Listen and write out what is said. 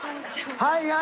はい。